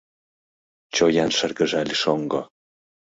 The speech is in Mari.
— Чоян шыргыжале шоҥго.